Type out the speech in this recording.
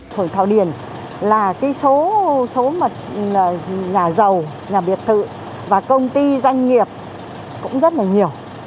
thời thảo điền là cái số mà nhà giàu nhà biệt thự và công ty doanh nghiệp cũng rất là nhiều